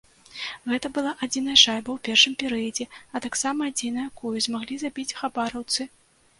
Гэта была адзіная шайба ў першым перыядзе, а таксама адзіная, кую змаглі забіць хабараўцы.